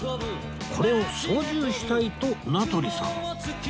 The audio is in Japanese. これを操縦したいと名取さん